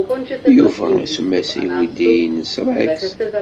Yuba isemma-as i weydi-nnes Rex.